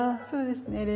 そうですね。